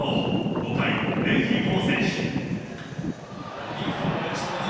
５回、レイヒーフォー選手。